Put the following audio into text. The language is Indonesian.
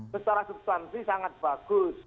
secara substansi sangat bagus